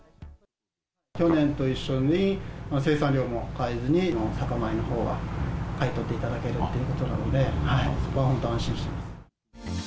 去年と一緒に、生産量も変えずに、酒米のほうは買い取っていただけるということなので、本当に安心してます。